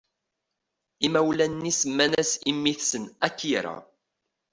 Imawlan-nni semma-as i mmi-tsen Akira.